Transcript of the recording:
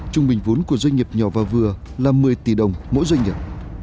trung bình vốn của doanh nghiệp nhỏ và vừa là một mươi tỷ đồng mỗi doanh nghiệp